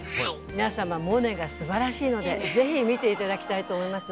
皆様モネがすばらしいので是非見て頂きたいと思います。